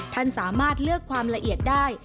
ท่านสามารถเลือกความละเอียดได้